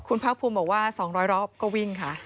คุณภาคภูมิบอกว่า๒๐๐รอบก็วิ่งค่ะ